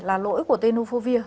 là lỗi của tenofovir